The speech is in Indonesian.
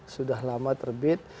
sudah lama terbit